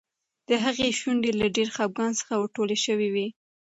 د هغې شونډې له ډېر خپګان څخه ورټولې شوې وې.